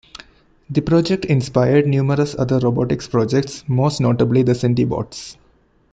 The project inspired numerous other robotics projects, most notably the Centibots.